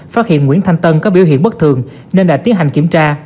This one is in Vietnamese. phát hiện nguyễn thanh tân có biểu hiện bất thường nên đã tiến hành kiểm tra